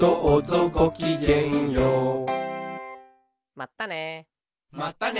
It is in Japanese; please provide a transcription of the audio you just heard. まったね。